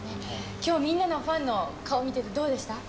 きょう、みんなのファンの顔見てて、どうでした？